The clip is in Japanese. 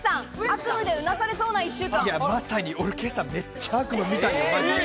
まさに俺、今朝めっちゃ悪夢見たの。